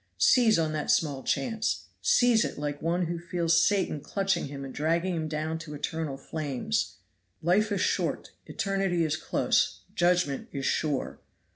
Seize on that small chance. Seize it like one who feels Satan clutching him and dragging him down to eternal flames. Life is short, eternity is close, judgment is sure.